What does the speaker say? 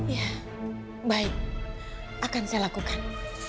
ya baik akan saya lakukan